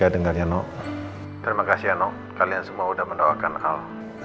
terima kasih ya nino kalian semua udah mendawakan al